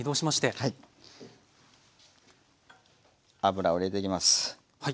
油を入れていきます。